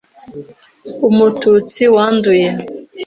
umututsi wanduye! ”